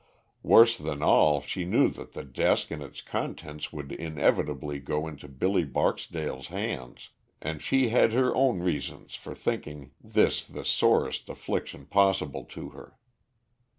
Worse than all, she knew that the desk and its contents would inevitably go into Billy Barksdale's hands, and she had her own reasons for thinking this the sorest affliction possible to her.